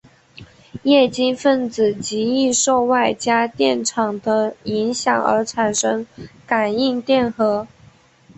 液晶分子极易受外加电场的影响而产生感应电荷。